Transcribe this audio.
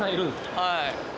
はい。